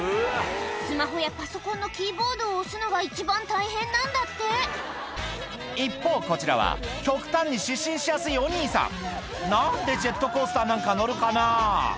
スマホやパソコンのキーボードを押すのが一番大変なんだって一方こちらは極端に失神しやすいお兄さん何でジェットコースターなんか乗るかな？